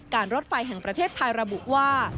รถไฟแห่งประเทศไทยระบุว่า